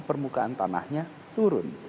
permukaan tanahnya turun